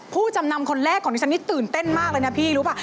ผู้จำนำคนแรกของดิฉันนี่ตื่นเต้นมากเลยนะพี่รู้ป่ะ